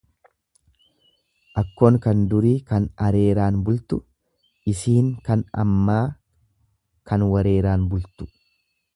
Akkoon kan durii kan areeraan bultu, isiin ammaa kan wareeraan bultu.